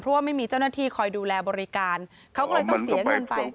เพราะว่าไม่มีเจ้าหน้าที่คอยดูแลบริการเขาก็เลยต้องเสียเงินไป